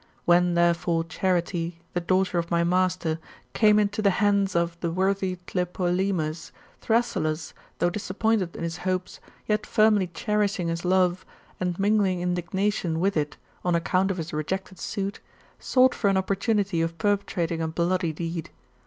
When, therefore, [Charite] the daughter of my master, came into the hands of [/. e, was marled to] the worthy Tlepolemus, Thrasyllus, though disappointed in his hopes, yet firmly cherishing his love, and mingling indignation with it, on account of his rejected suit, sought for an opportunity of per petrating a bloody deed.